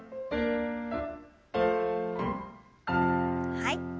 はい。